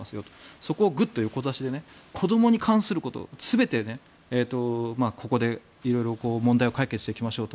そこをグッと横差しで子どもに関すること全てここで色々問題を解決していきましょうと。